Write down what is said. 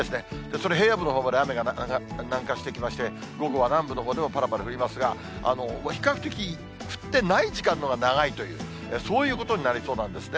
その後、平野部のほうまで雨が南下してきまして、午後は南部のほうでもぱらぱら降りますが、比較的、降ってない時間のほうが長いという、そういうことになりそうなんですね。